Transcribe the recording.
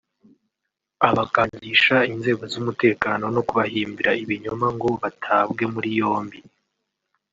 abakangisha inzego z’umutekano no kubahimbira ibinyoma ngo batabwe muri yombi